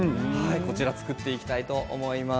こちらを作っていきたいと思います。